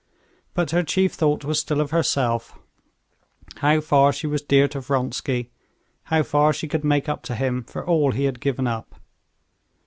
But her chief thought was still of herself—how far she was dear to Vronsky, how far she could make up to him for all he had given up.